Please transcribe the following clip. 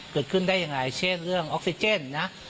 เกิดขึ้นได้ยังไงเช่นเรื่องออกซิเจนนะ